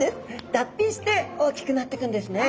脱皮して大きくなっていくんですね。